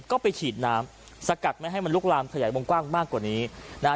ก็ไปฉีดน้ำสกัดไม่ให้มันลุกลามขยายวงกว้างมากกว่านี้นะฮะ